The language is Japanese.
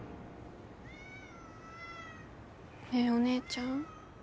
ねえお姉ちゃん。